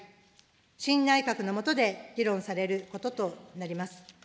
新内閣の下で議論されることとなります。